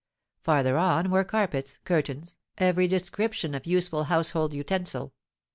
Farther on were carpets, curtains, every description of useful household utensil.